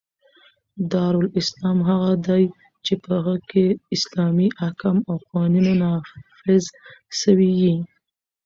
دارالاسلام هغه دئ، چي په هغي کښي اسلامي احکام او قوانینو نافظ سوي يي.